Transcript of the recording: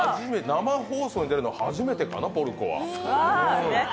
生放送に出るのは初めてかな、ポルコは。